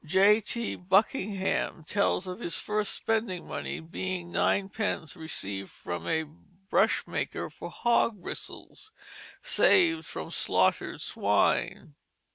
J. T. Buckingham tells of his first spending money being ninepence received from a brush maker for hog bristles saved from slaughtered swine.